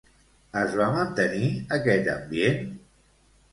Es va mantenir aquest ambient?